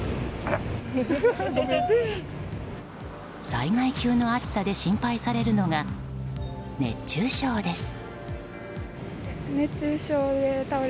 災害級の暑さで心配されるのが熱中症です。